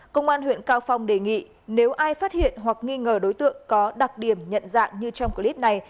công an huyện cao phong đề nghị nếu ai phát hiện hoặc nghi ngờ đối tượng có đặc điểm nhận dạng như trong clip này